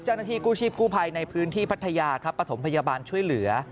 เจ้าหน้าที่กู้ชีพกู้ภัยในพื้นที่พัทยาครับประถมพยาบาลช่วยเหลือ